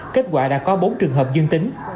kết quả đã có bốn trường hợp dương tính